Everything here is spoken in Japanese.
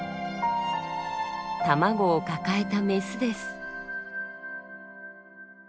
卵を抱えたメスです。